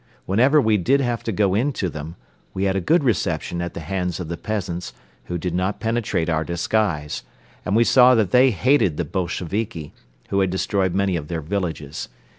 Whenever we did have to go into them, we had a good reception at the hands of the peasants, who did not penetrate our disguise; and we saw that they hated the Bolsheviki, who had destroyed many of their villages.